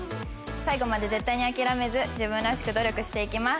最後まで絶対に諦めず自分らしく努力していきます